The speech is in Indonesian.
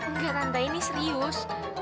nggak tante ini serius